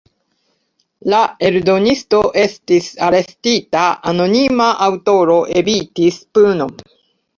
La eldonisto estis arestita, anonima aŭtoro evitis punon.